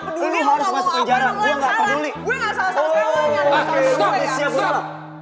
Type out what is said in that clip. pak siapa yang salah